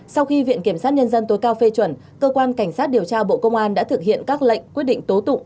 sau khi viện kiểm sát nhân dân tối cao phê chuẩn cơ quan cảnh sát điều tra bộ công an đã thực hiện các lệnh quyết định tố tụng